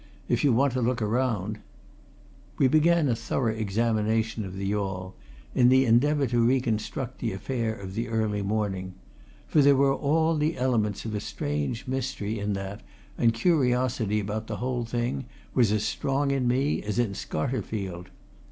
"If you want to look round " We began a thorough examination of the yawl, in the endeavour to reconstruct the affair of the early morning. For there were all the elements of a strange mystery in that and curiosity about the whole thing was as strong in me as in Scarterfield.